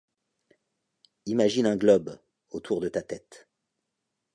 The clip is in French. Imagine un globe, autour de ta tête.